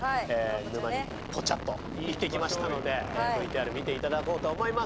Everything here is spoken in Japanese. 沼にポチャッと行ってきましたのでＶＴＲ見て頂こうと思います！